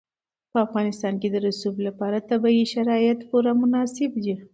په افغانستان کې د رسوب لپاره طبیعي شرایط پوره مناسب دي.